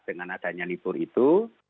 dengan adanya libur itu